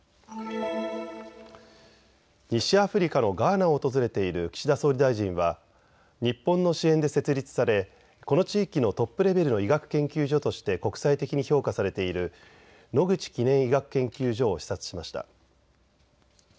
西アフリカのガーナを訪れている岸田総理大臣は日本の支援で設立されこの地域のトップレベルの医学研究所として国際的に評価されている野口記念医学研究所を視察しました。